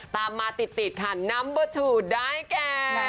ตามมาติดค่ะนัมเบอร์ชูได้แก่